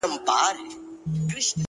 • هامان وویل زما سر ته دي امان وي ,